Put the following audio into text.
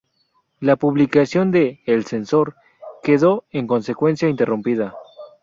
La publicación de "El Censor" quedó, en consecuencia, interrumpida.